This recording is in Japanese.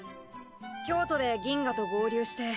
京都でギンガと合流して。